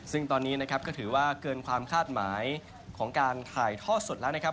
ซึ่งตอนนี้นะครับก็ถือว่าเกินความคาดหมายของการถ่ายทอดสดแล้วนะครับ